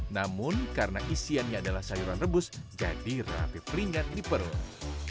namun karena isiannya adalah sayuran rebus jadi rapi peringat di perut